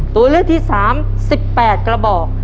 ตัวเลือกที่๓๑๘กระบอก